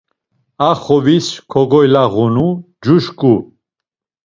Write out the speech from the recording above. A xovis kogoylağunu, cuşǩu.